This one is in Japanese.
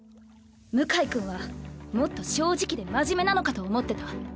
⁉向井君はもっと正直で真面目なのかと思ってた。